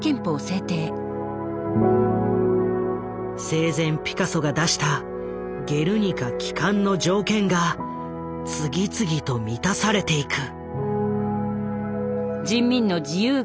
生前ピカソが出した「ゲルニカ」帰還の条件が次々と満たされていく。